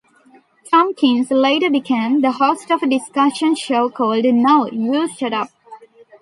Tompkins later became the host of a discussion show called No, You Shut Up!